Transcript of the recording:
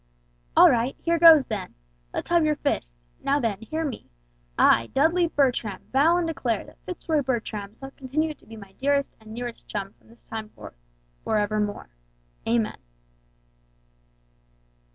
"All right, here goes, then! Let us have your fists now then, hear me! I, Dudley Bertram, vow and declare that Fitz Roy Bertram shall continue to be my dearest and nearest chum from this time forth, forevermore. Amen."